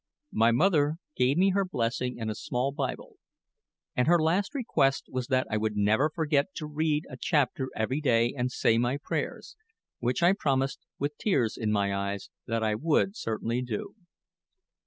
My mother gave me her blessing and a small Bible; and her last request was that I would never forget to read a chapter every day and say my prayers, which I promised, with tears in my eyes, that I would certainly do.